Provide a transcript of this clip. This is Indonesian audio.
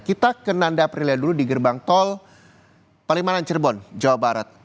kita ke nanda aprilia dulu di gerbang tol palimanan cirebon jawa barat